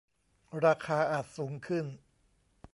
ราคาอาจสูงขึ้น